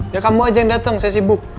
ya kamu aja yang datang saya sibuk